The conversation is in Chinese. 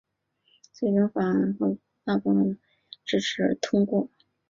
最终法案仍获国会大部份议员支持而通过。